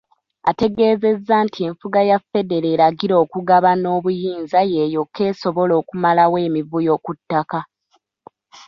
Ategeezezza nti enfuga ya Federo eragira okugabana obuyinza ye yokka esobola okumalawo emivuyo ku ttaka.